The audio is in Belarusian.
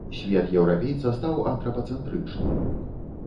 Свет еўрапейца стаў антрапацэнтрычны.